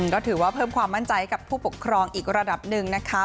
ก็ถือว่าเพิ่มความมั่นใจให้กับผู้ปกครองอีกระดับหนึ่งนะคะ